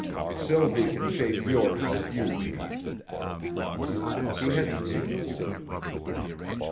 Sylvie can shape yours with you, Pete." He hesitated a moment.